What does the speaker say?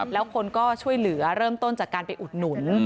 แล้วคนก็ช่วยเหลือเริ่มต้นจากการไปอุดหนุน